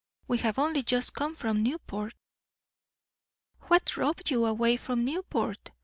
We have only just come from Newport." "What drove you away from Newport?